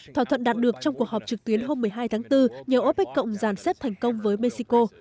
thỏa thuận đạt được trong cuộc họp trực tuyến hôm một mươi hai tháng bốn nhờ opec cộng giàn xếp thành công với mexico